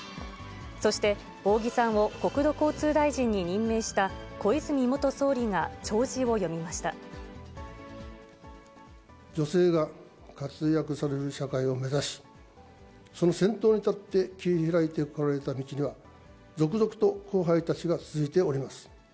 そして扇さんを国土交通大臣に任命した小泉元総理が弔辞を読みま女性が活躍される社会を目指し、その先頭に立って切り開いてこられた道が、続々と後輩たちが続いております。